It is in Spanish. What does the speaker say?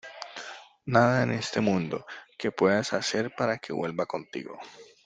nada en este mundo, que puedas hacer para que vuelva contigo.